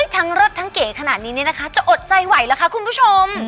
ทั้งรสทั้งเก๋ขนาดนี้นะคะจะอดใจไหวละคะคุณผู้ชม